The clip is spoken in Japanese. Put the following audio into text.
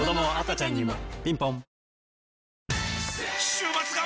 週末が！！